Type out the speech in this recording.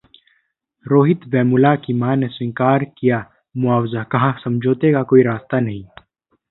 रोहित वेमुला की मां ने स्वीकार किया मुआवजा, कहा- समझौते का कोई रास्ता नहीं